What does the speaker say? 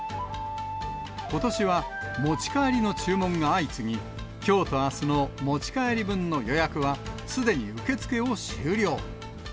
ことしは、持ち帰りの注文が相次ぎ、きょうとあすの持ち帰り分の予約は、すでに受け付けを終了。